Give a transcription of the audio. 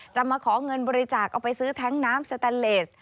มาขอเงินบริจาคเอาไปซื้อแท้งน้ำสแตนเลส